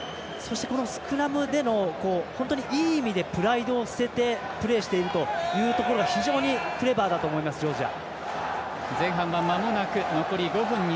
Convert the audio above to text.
スクラムでのいい意味でプライドを捨ててプレーしているというところが非常にクレバーだと思いますジョージア。